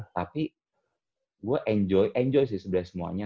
tapi gue enjoy enjoy sih sebenernya semuanya